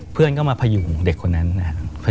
เพื่อนก็มาพยุงเด็กคนนั้นนะครับ